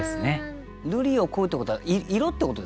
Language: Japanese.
「瑠璃を恋ふ」ってことは色ってことですか？